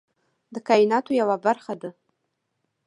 د کایناتو یوه برخه ده.